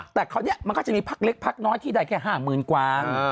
แต่คราวนี้มันก็จะมีพักเล็กพักน้อยที่ได้แค่๕๐๐๐กว่า